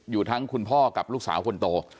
อยู่ทั้งคุณพ่อกับลูกสาวคนโต